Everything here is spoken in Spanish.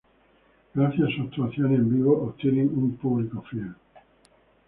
Gracias a sus actuaciones en vivo obtienen un público fiel.